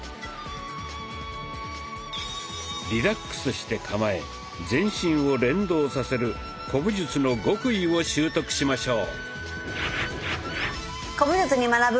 リラックスして構え全身を連動させる古武術の極意を習得しましょう。